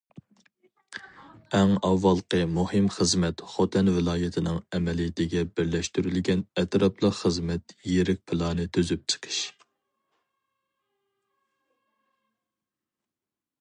ئەڭ ئاۋۋالقى مۇھىم خىزمەت خوتەن ۋىلايىتىنىڭ ئەمەلىيىتىگە بىرلەشتۈرۈلگەن ئەتراپلىق خىزمەت يىرىك پىلانى تۈزۈپ چىقىش.